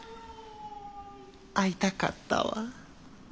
会いたかったわ。